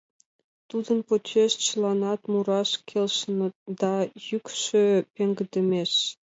Тудын почеш чыланат мураш келшеныт да, йӱкшӧ пеҥгыдемеш: